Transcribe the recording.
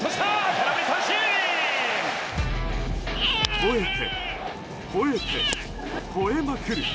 ほえて、ほえて、ほえまくる。